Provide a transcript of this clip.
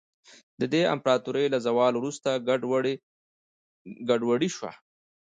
د دې امپراتورۍ له زوال وروسته ګډوډي شوه.